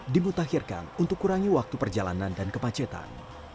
dimutakhirkan untuk kurangi waktu perjalanan dan kemacetan